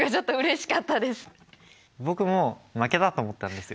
僕も負けたと思ったんですよ。